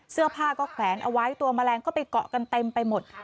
เสื้อผ้าก็แขวนเอาไว้ตัวแมลงก็ไปเกาะกันเต็มไปหมด